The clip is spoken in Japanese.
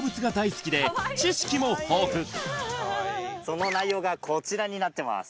その内容がこちらになってます